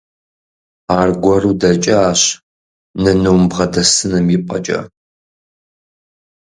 Аргуэру дэкӀащ, нынум бгъэдэсыным ипӀэкӀэ.